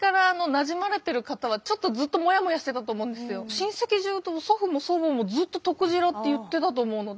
親戚中祖父も祖母もずっととくじらって言ってたと思うので。